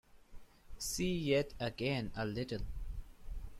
See yet again a little.